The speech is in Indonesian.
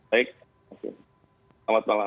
baik selamat malam